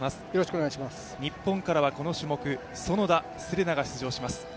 日本からはこの種目、園田世玲奈が出場します。